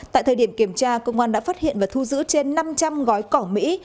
tại thời điểm kiểm tra công an đã phát hiện và thu giữ trên năm trăm linh gói cỏ mỹ